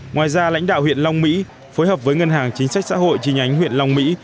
ngoài ra lãnh đạo huyện long mỹ phối hợp với ngân hàng chính sách xã hội chi nhánh huyện long mỹ